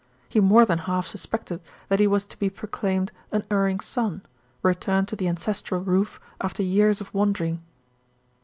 He more than half suspected that he was to be proclaimed an erring son, returned to the ancestral roof after years of wandering.